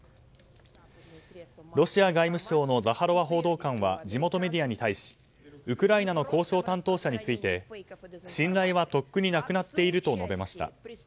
ロシア外務省のザハロワ報道官は地元メディアに対しウクライナの交渉担当者について信頼はとっくになくなっていると述べました。